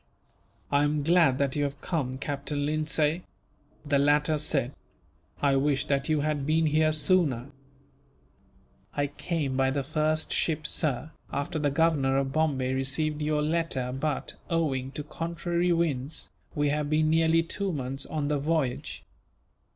"I am glad that you have come, Captain Lindsay," the latter said. "I wish that you had been here sooner." "I came by the first ship, sir, after the Governor of Bombay received your letter but, owing to contrary winds, we have been nearly two months on the voyage.